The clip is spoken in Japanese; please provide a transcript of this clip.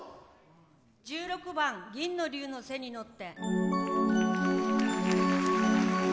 １６番「銀の龍の背に乗って」。